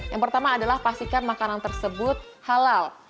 yang pertama adalah pastikan makanan tersebut halal